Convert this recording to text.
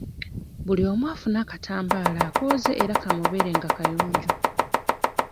Buli omu afune akatambaala akooze era kamubeera nga kayonjo.